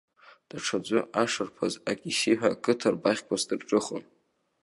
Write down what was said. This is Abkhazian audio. Даҽаӡәы, ашарԥаз акисиҳәа ақыҭа рбаӷьқәа сдырҿыхон.